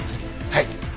はい。